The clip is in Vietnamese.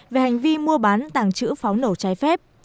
về hành vi mua bán tàng trữ pháo nổ trái phép